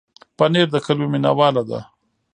پنېر د کلیوالو مینه ده.